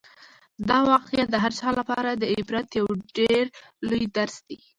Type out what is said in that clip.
دا واقعه د هر چا لپاره د عبرت یو ډېر لوی درس دی.